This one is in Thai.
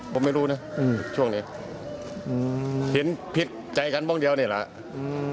ผมไม่รู้นะช่วงนี้ผิดใจกันบ้างเดียวนี่แหละ